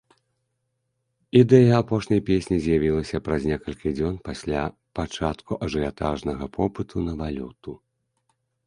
Ідэя апошняй песні з'явілася праз некалькі дзён пасля пачатку ажыятажнага попыту на валюту.